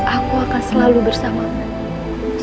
aku akan selalu bersamamu